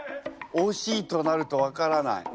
惜しいとなると分からない。